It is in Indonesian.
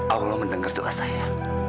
allah mendengar doa saya